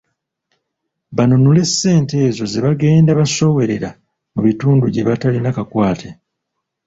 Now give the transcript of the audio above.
Banunule ssente ezo zebagenda basowerera mu bitundu gyebatalina kakwate